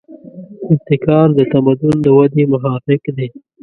ابتکار د تمدن د ودې محرک دی.